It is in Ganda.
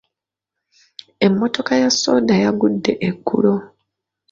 Emmotoka ya sooda yagudde eggulo.